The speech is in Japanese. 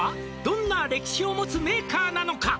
「どんな歴史を持つメーカーなのか」